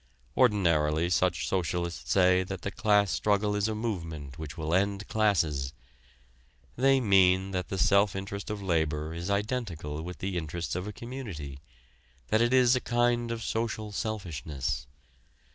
Ordinarily such socialists say that the class struggle is a movement which will end classes. They mean that the self interest of labor is identical with the interests of a community that it is a kind of social selfishness.